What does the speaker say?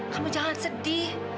kamu jangan sedih